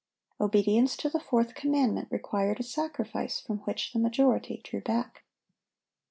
Obedience to the fourth commandment required a sacrifice from which the majority drew back.